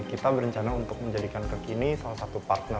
dan kita juga berencana untuk menjadikan kekini salah satu partner venue